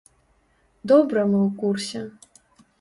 Добра мы ў курсе.